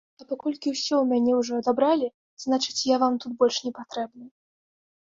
А паколькі ўсё ў мяне ўжо адабралі, значыць, я вам тут больш не патрэбны.